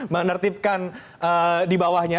menertibkan di bawahnya